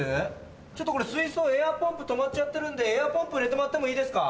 ちょっと水槽エアーポンプ止まっちゃってるんでエアーポンプ入れてもらってもいいですか？